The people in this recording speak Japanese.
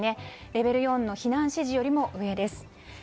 レベル４の避難指示よりも上です。